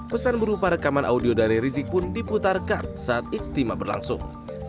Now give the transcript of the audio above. pesan berupa rekaman audio dari rizik pun diputarkan saat ijtima berlangsung